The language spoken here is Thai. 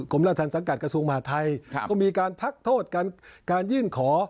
ราชธรรมสังกัดกระทรวงมหาทัยก็มีการพักโทษการยื่นขอ